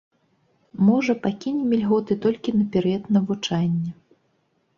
Можа, пакінем ільготы толькі на перыяд навучання.